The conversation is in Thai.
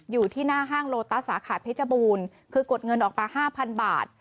อยู่ที่หน้าห้างโลตัสสาขาเพชรบูรณ์คือกดเงินออกมา๕๐๐บาท